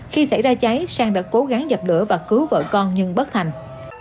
khi xảy ra cháy sang đã cố gắng dập lửa và cứu vợ con nhưng bất thành